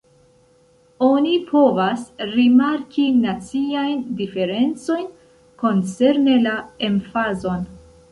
Oni povas rimarki naciajn diferencojn koncerne la emfazon.